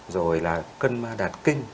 rồi là cân ma đạt kinh